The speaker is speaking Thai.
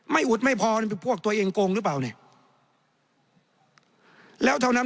อุดไม่พอพวกตัวเองโกงหรือเปล่าเนี่ยแล้วเท่านั้น